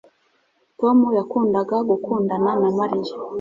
Tom yakundaga gukundana na Mariya